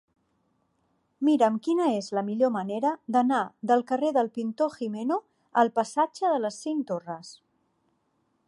Mira'm quina és la millor manera d'anar del carrer del Pintor Gimeno al passatge de les Cinc Torres.